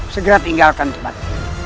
segera tinggalkan tempat ini